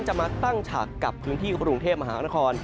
จะมาตั้งฉากกับพื้นที่กรุงเทพมหานคร